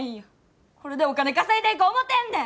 これでお金稼いでいこう思てんねん！